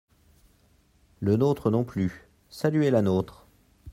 Le nôtre non plus, saluez la nôtre.